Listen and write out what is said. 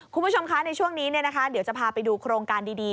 คุณผู้ชมคะในช่วงนี้เดี๋ยวจะพาไปดูโครงการดี